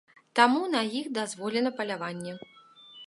Таму на іх дазволена паляванне.